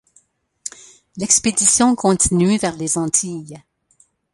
L'expédition continue vers les Antilles.